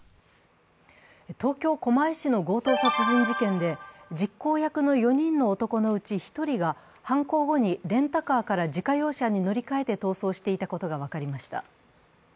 東京・狛江市の強盗殺人事件で実行役の４人の男のうち１人が犯行後にレンタカーから自家用車に乗り換えて逃走していたことが分かりました。